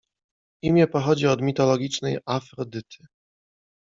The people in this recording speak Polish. Imię pochodzi od mitologicznej Afrodyty.